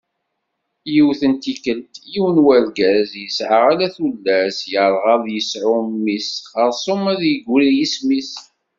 Yiwet n tikkelt, yiwen n urgaz, yesεa ala tullas, yerγa ad yesεu mmi-s, xersum ad d-yegri yisem-is.